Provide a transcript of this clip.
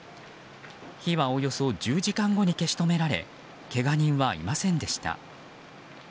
火はおよそ１０時間後に消し止められけが人はいませんでした。